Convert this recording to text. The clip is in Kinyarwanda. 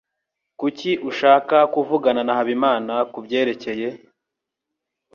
Kuki ushaka kuvugana na Habimana kubyerekeye?